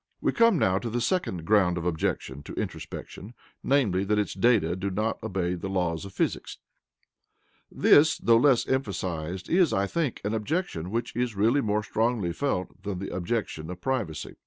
We come now to the second ground of objection to introspection, namely, that its data do not obey the laws of physics. This, though less emphasized, is, I think, an objection which is really more strongly felt than the objection of privacy.